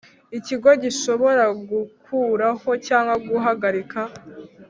Ikigo gishobora gukuraho cyangwa guhagarika